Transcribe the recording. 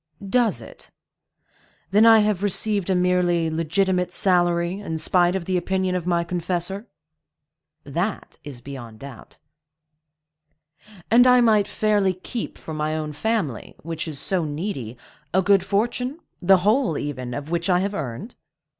"Does it? Then I have received a merely legitimate salary, in spite of the opinion of my confessor?" "That is beyond doubt." "And I might fairly keep for my own family, which is so needy, a good fortune,—the whole, even, of which I have earned?"